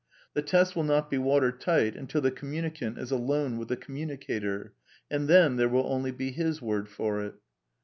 The test will not be water tight until the communicant is alone with the communica tor ; and then there will only be his word for it.